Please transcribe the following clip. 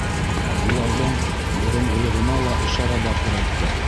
Уларҙың борон- ғолоғона ла ишара бар һүрәттә.